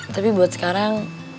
tapi buat sekarang